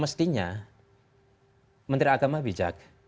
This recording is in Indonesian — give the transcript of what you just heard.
mestinya menteri agama bijak